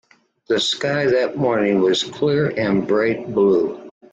The sky that morning was clear and bright blue.